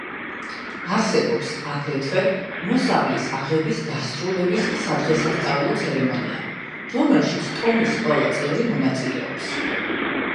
არსებობს, აგრეთვე, მოსავლის აღების დასრულების სადღესასწაულო ცერემონია, რომელშიც ტომის ყველა წევრი მონაწილეობს.